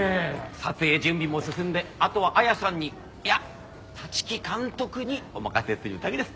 撮影準備も進んであとは彩さんにいや立木監督にお任せするだけです。